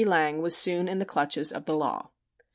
Lang was soon in the clutches of the law.